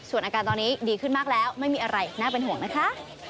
ส่วนอาการตอนนี้ดีขึ้นมากแล้วไม่มีอะไรน่าเป็นห่วงนะคะ